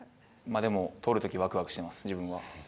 でも、取るとき、わくわくします、自分は。